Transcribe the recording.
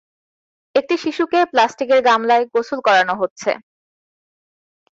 একটি শিশুকে প্লাস্টিকের গামলায় গোসল করানো হচ্ছে।